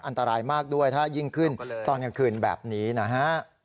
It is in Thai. อันตรายมากด้วยถ้ายิ่งขึ้นตอนกลางคืนแบบนี้นะฮะ